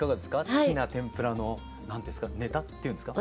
好きな天ぷらのネタっていうんですか。